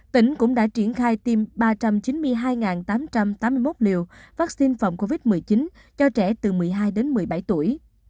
tỉnh cũng đã triển khai tiêm ba trăm chín mươi hai tám trăm tám mươi một liều vaccine phòng covid một mươi chín cho trẻ từ một mươi hai đến một mươi bảy tuổi